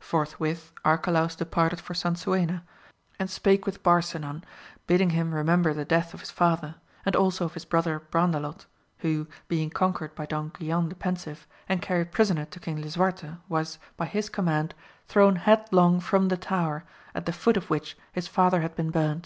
Forthwith Arcalaus departed for Sansuena, and spake with Barsinan, bidding him re member the death of his father, and also of his brother Brandolot, who, being conquered by Don Guilan the Pensive and carried prisoner to King Lisuarte, was, by his command, thrown headlong from the tower, at the foot of which his father had been burnt.